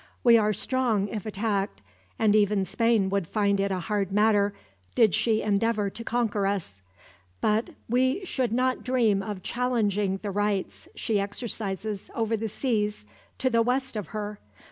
We are strong if attacked, and even Spain would find it a hard matter, did she endeavor to conquer us; but we should not dream of challenging the rights she exercises over the seas to the west of her.